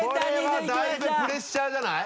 これはだいぶプレッシャーじゃない？